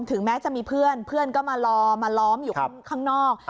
ถึงแม้จะมีเพื่อนเพื่อนก็มารอมาล้อมอยู่ข้างนอก